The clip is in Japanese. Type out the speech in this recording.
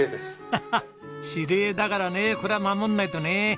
ハハッ指令だからねこれは守んないとね。